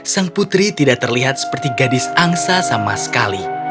sang putri tidak terlihat seperti gadis angsa sama sekali